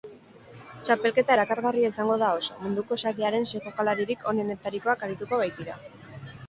Txapelketa erakargarria izango da oso, munduko xakearen sei jokalaririk onentarikoak arituko baitira.